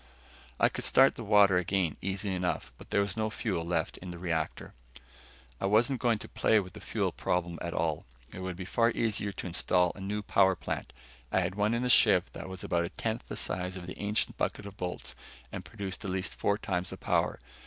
I could start the water again easily enough, but there was no fuel left in the reactor. I wasn't going to play with the fuel problem at all. It would be far easier to install a new power plant. I had one in the ship that was about a tenth the size of the ancient bucket of bolts and produced at least four times the power.